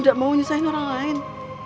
tidak mau nyesahin orang lain